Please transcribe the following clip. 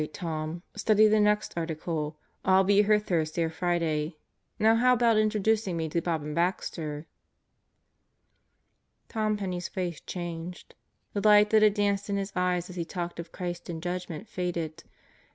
Tom. Study the next Article. I'll be here Thursday or Friday. Now how about introducing me to Bob and Baxter?" Tom Penney's face changed. The light that had danced in his eyes as he talked of Christ and Judgment faded.